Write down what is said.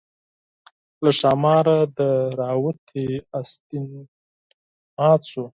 له ښاماره دې راوتى استين مات شو